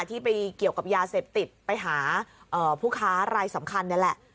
ที่ไปเกี่ยวกับยาเสพติดไปหาผู้ค้ารายสำคัญนี่แหละ